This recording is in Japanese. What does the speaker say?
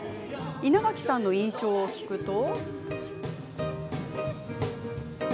稲垣さんの印象を聞くと。